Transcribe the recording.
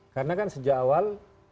karena kan sejak awal